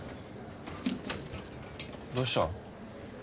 どうした？